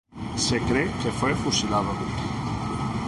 Se cree que fue fusilado.